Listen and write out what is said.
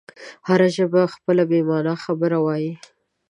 هره ژبه یې خپله بې مانا خبره وایي.